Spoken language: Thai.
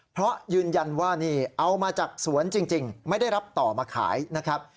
เพราะยืนยันว่านี่เอามาจากสวนจริงไม่ได้รับต่อมาขายนะครับ